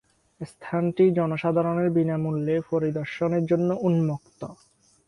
স্থানটি জনসাধারণের বিনামূল্যে পরিদর্শনের জন্য উন্মুক্ত।